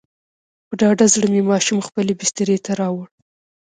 په ډاډه زړه مې ماشوم خپلې بسترې ته راووړ.